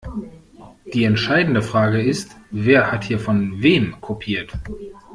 Die entscheidende Frage ist, wer hat hier von wem kopiert?